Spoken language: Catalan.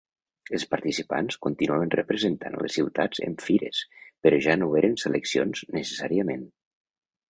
Els participants continuaven representant a les ciutats en fires però ja no eren seleccions necessàriament.